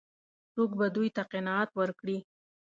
څوک به دوی ته قناعت ورکړي؟